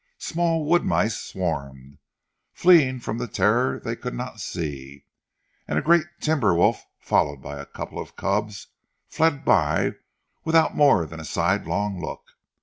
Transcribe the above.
Small wood mice swarmed, fleeing from the terror they could not see; and a great timber wolf followed by a couple of cubs fled by without more than a sidelong look.